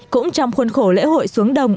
cũng trong khuôn khổ lễ hội xuống đồng